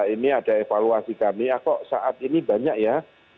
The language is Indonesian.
ini ada evaluasi kami ya kok saat ini banyak ya